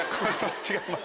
違います。